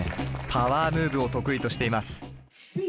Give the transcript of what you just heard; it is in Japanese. パワームーブを得意としています。